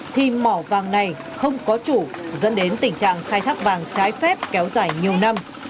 thì mỏ vàng này không có chủ dẫn đến tình trạng khai thác vàng trái phép kéo dài nhiều năm